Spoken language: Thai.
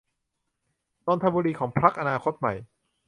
นนทบุรีของพรรคอนาคตใหม่